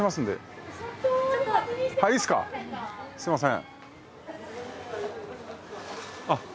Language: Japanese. すいません。